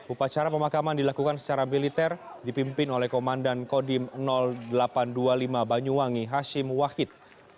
upacara pemakaman dilakukan secara militer dipimpin oleh komandan kodim delapan ratus dua puluh lima banyuwangi hashim wahid